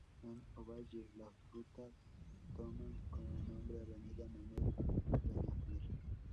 En Ovalle la ruta toma como nombre avenida Manuel Peñafiel.